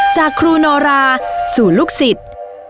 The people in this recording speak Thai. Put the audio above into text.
จากครูโนราสู่ลูกศิษย์